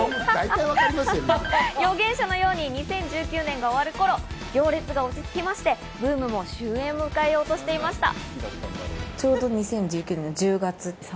預言者のように２０１９年が終わる頃、行列が落ち着きまして、ブームも終えんを迎えようとしていました。